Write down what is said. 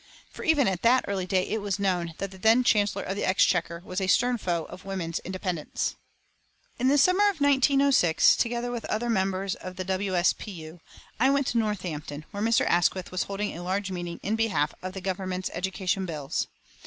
For even at that early day it was known that the then Chancellor of the Exchequer was a stern foe of women's independence. In the summer of 1906, together with other members of the W. S. P. U., I went to Northampton, where Mr. Asquith was holding a large meeting in behalf of the Government's education bills.